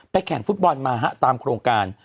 แข่งฟุตบอลมาตามโครงการ